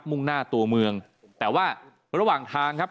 มุ่งหน้าตัวเมืองแต่ว่าระหว่างทางครับ